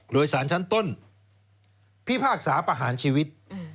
โดยสารชั้นต้นพิพากษาประหารชีวิต